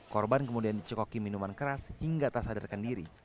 korban kemudian dicekoki minuman keras hingga tak sadarkan diri